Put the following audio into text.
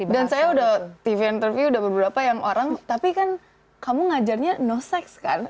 dan saya udah tv interview udah beberapa yang orang tapi kan kamu ngajarnya no sex kan